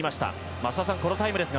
増田さん、このタイムは？